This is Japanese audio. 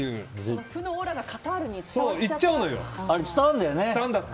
負のオーラがカタールにいっちゃった？